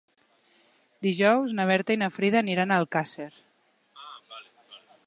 Dijous na Berta i na Frida aniran a Alcàsser.